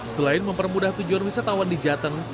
selain mempermudah tujuan wisatawan di jateng